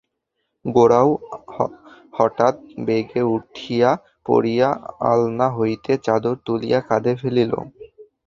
গোরাও হঠাৎ বেগে উঠিয়া পড়িয়া আলনা হইতে চাদর তুলিয়া কাঁধে ফেলিল।